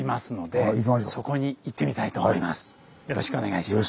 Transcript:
よろしくお願いします。